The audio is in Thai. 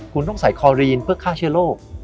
คุณต้องใส่คอรีนเพื่อฆ่าเชื้อโรค